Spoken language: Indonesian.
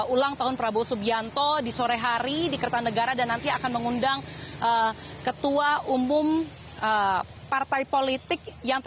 ulang tahun prabowo subianto di sore hari di kertanegara dan nanti akan mengundang ketua umum partai politik